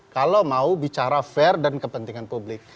kalau mau bicara fair dan kepentingan publik